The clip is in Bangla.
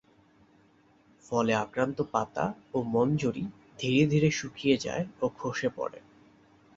ফলে আক্রান্ত পাতা ও মঞ্জরি ধীরে ধীরে শুকিয়ে যায় ও খসে পড়ে।